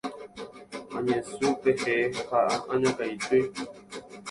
añesũpehẽ ha añakãity